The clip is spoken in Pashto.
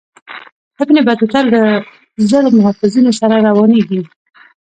ابن بطوطه له زرو محافظینو سره روانیږي.